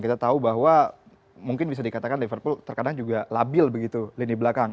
kita tahu bahwa mungkin bisa dikatakan liverpool terkadang juga labil begitu lini belakang